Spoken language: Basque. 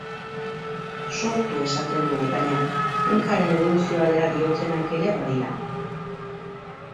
Sortu esaten dugu, baina Punkaren eboluzioa dela diotenak ere badira.